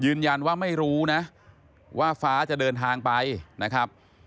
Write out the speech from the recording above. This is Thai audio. ยืนยันว่าไม่รู้นะว่าฟ้าจะเดินทางไปนะครับ